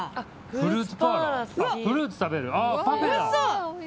フルーツ食べる？